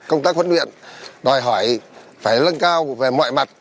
công tác huấn luyện đòi hỏi phải lân cao về mọi mặt